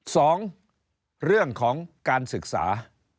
สองเรื่องของการศึกษา